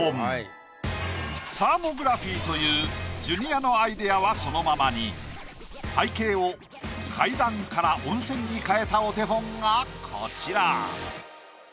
サーモグラフィーというジュニアのアイデアはそのままに背景を階段から温泉に変えたお手本がこちら。